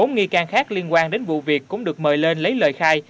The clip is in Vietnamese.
bốn nghi can khác liên quan đến vụ việc cũng được mời lên lấy lời khai